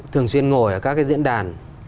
thường xuyên ngồi ở các cái diễn đàn